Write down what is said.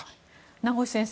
名越先生